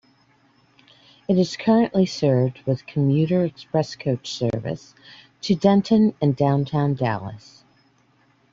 It is currently served with Commuter Express coach service to Denton and downtown Dallas.